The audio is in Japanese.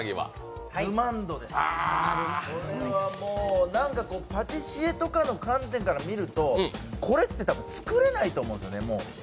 これはもう、パティシエとかの観点から見ると、これって作れないと思うんですね、もう。